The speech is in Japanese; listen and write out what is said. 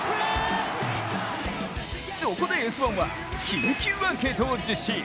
そこで「Ｓ☆１」は、緊急アンケートを実施。